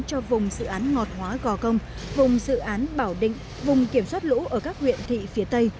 cho vùng dự án ngọt hóa gò công vùng dự án bảo định vùng kiểm soát lũ ở các huyện thị phía tây